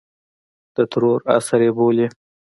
د ترور عصر یې بولي.